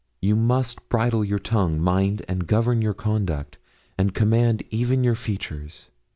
'You must bridle your tongue, mind, and govern your conduct, and command even your features.